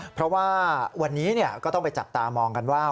เพราะว่าวันนี้ก็ต้องไปจับตามองกันว่า